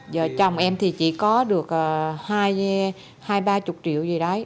giờ chồng em thì chỉ có được hai ba chục triệu gì đấy